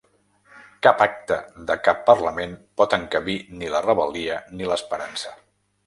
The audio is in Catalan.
Cap acta de cap parlament pot encabir ni la rebel·lia ni l’esperança.